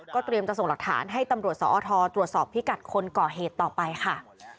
เตรียมจะส่งหลักฐานให้ตำรวจสอทตรวจสอบพิกัดคนก่อเหตุต่อไปค่ะ